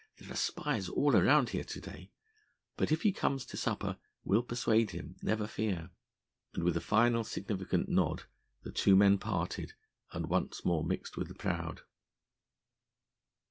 There are spies all around here to day. But if he comes to supper we'll persuade him, never fear." And with a final significant nod the two men parted and once more mixed with the crowd.